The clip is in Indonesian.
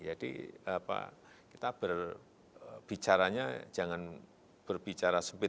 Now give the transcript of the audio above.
jadi kita berbicaranya jangan berbicara sempit